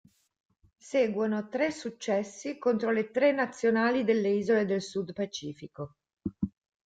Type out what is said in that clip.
Seguono tre successi contro le tre nazionali delle isole del Sud Pacifico.